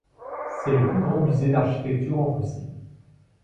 C'est le plus grand musée d'architecture en Russie.